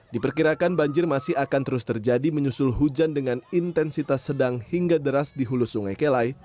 diperkirakan banjir masih akan terus terjadi menyusul hujan dengan intensitas sedang hingga deras di hulu sungai kelai